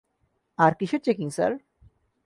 আর কিসের checking, sir?